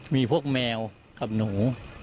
มีพวกแมวกับหนู